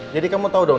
jadi kamu tau dong